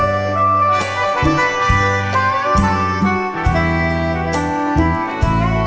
แล้วจะมีส่วนที่นี่นะฮะ